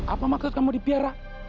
apa maksud kamu dipiara